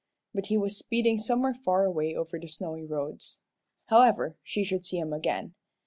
But he was speeding somewhere far away over the snowy roads. However, she should see him again.